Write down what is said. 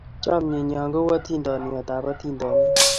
Chamienyo ko u atindiot ab atindiot